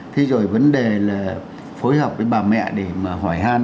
thế rồi vấn đề là phối học với bà mẹ để mà hỏi han